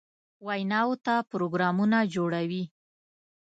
ویناوو ته پروګرامونه جوړوي.